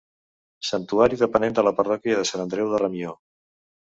Santuari depenent de la parròquia de Sant Andreu de Ramió.